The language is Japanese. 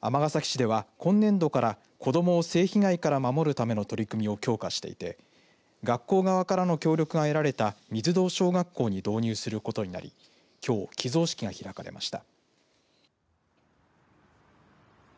尼崎市では今年度から子どもを性被害から守るための取り組みを強化していて学校側からの協力が得られた水堂小学校に導入することになりきょう寄贈式が開かれました。